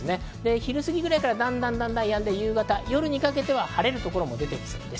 昼過ぎくらいから、だんだんやんで、夜にかけて晴れる所もありそうです。